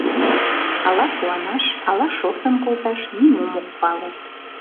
Ала куанаш, ала шортын колташ — нимом ок пале.